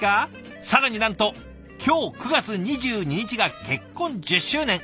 更になんと今日９月２２日が結婚１０周年。